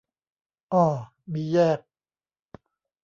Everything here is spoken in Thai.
อ้อ มีแยก